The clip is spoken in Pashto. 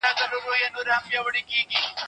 زه کولای سم په پښتو خبري وکړم.